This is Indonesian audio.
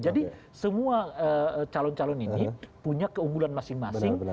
jadi semua calon calon ini punya keunggulan masing masing